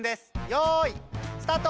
よいスタート！